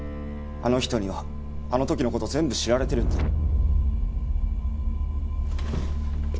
あの人にはあの時のこと全部知られてるんだ。